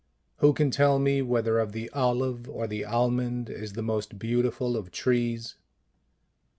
Who can tell me whether of the Olive or the Almond is the most beautiful of trees?